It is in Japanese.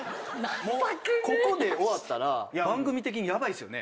もうここで終わったら番組的にヤバいっすよね？